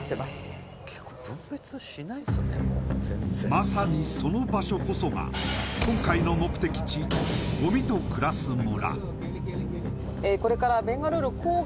まさにその場所こそが今回の目的地、ごみと暮らす村。